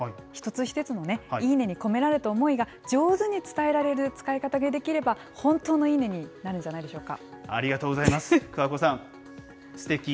一つ一つのいいねに込められた思いが上手に伝えられる使い方ができれば、本当のいいねになるんじゃないでしょうか。